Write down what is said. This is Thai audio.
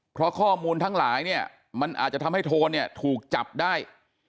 เพราะข้อมูลทั้งหลายเนี่ยมันอาจจะทำให้โทนเนี่ยถูกจับได้